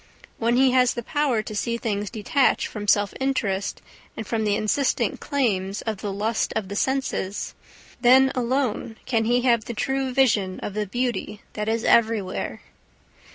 When he has the power to see things detached from self interest and from the insistent claims of the lust of the senses, then alone can he have the true vision of the beauty that is everywhere.